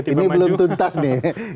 ini belum tuntas nih